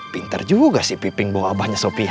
pintar juga si piping bawa abahnya sop ya